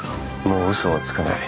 もう嘘はつかない。